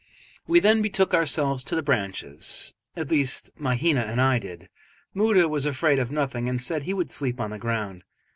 We then betook ourselves to the branches at least, Mahina and I did; Moota was afraid of nothing, and said he would sleep on the ground.